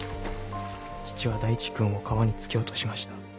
父は大地君を川に突き落としました。